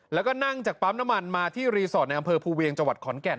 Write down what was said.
แล้วก็นั่งจากปั๊มน้ำมันมาที่รีสอร์ทในอำเภอภูเวียงจังหวัดขอนแก่น